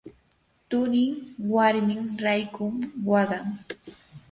turii warmin raykun waqaykan.